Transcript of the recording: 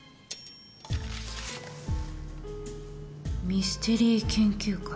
ミステリー研究会。